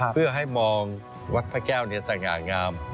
เพื่อให้มองวัดพระแก้วสง่างาม